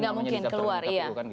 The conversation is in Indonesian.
enggak mungkin keluar